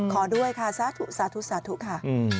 ด้วยค่ะสาธุสาธุสาธุค่ะ